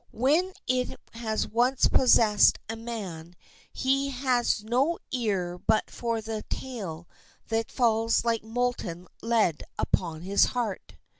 When it has once possessed a man he has no ear but for the tale that falls like molten lead upon the heart.